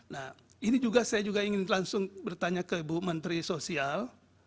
nah ini juga saya juga ingin langsung bertanya ke bu menteri sosial